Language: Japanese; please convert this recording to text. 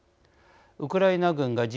ウクライナ軍が自由